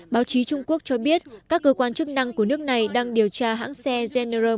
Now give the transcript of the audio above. báo chí trung quốc cho biết các cơ quan chức năng của nước này đang điều tra hãng xe gener